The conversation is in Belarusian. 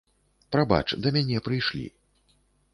Прабач, да мяне прыйшлі.